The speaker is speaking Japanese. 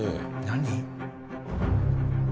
何？